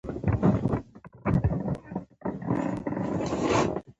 همدارنګه یو هېواد پال سیاستوال هم و.